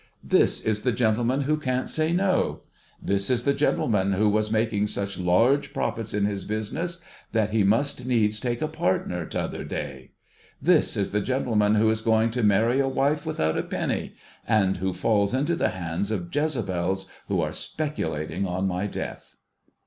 This is the gentleman who can't say no. This is the gentleman wlio was making such large profits in his business that he must needs take a partner, t'other day. This is the gentleman who is going to marry a wife without a penny, and who falls into the hands of Jezabels who are speculating on my death